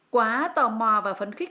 quá tò mò và phấn khích